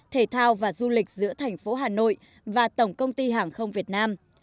thể thao và du lịch giữa thành phố hà nội và tổng công ty hàng không việt nam